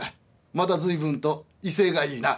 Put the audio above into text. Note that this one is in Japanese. また随分と威勢がいいな」。